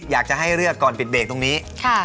อยากจะให้เลือกก่อนปิดเบรกตรงนี้